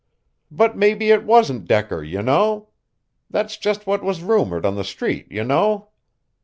But maybe it wasn't Decker, you know. That's just what was rumored on the Street, you know."